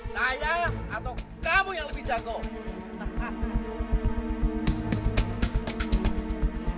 saya atau kamu yang lebih jago